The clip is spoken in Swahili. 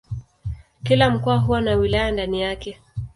Kila mkoa huwa na wilaya ndani yake.